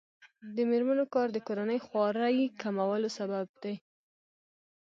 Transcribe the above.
د میرمنو کار د کورنۍ خوارۍ کمولو سبب دی.